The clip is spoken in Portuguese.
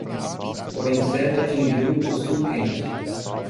O inseto atingiu o sul quente.